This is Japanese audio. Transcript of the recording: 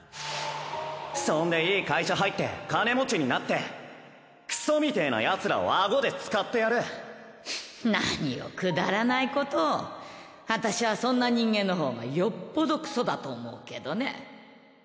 そんでいい会社入って金持ちになってクソみてぇなヤツらを顎で使ってやる何をくだらないことを私はそんな人間の方がよっぽどクソだはあ？